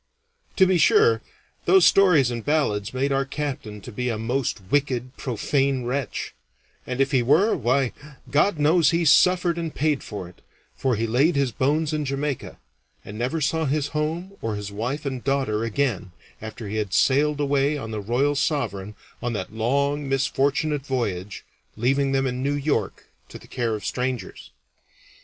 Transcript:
To be sure, those stories and ballads made our captain to be a most wicked, profane wretch; and if he were, why, God knows he suffered and paid for it, for he laid his bones in Jamaica, and never saw his home or his wife and daughter again after he had sailed away on the Royal Sovereign on that long misfortunate voyage, leaving them in New York to the care of strangers.